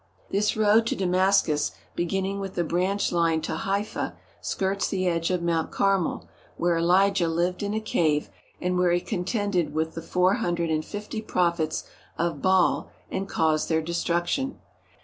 This road to Damascus, beginning with the branch line to Haifa, skirts the edge of Mount Carmel, where Elijah lived in a cave and where he contended with the four hundred and fifty prophets of Baal and caused their de struction.